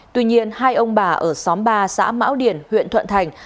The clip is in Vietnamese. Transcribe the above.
tuy nhiên hai ông bà ở xóm ba xã mão điền huyện thuận thành